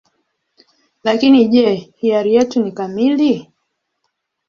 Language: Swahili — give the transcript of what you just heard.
Lakini je, hiari yetu ni kamili?